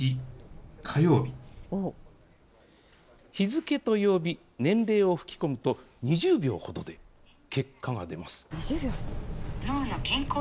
日付と曜日、年齢を吹き込むと、２０秒ほどで結果が出ます。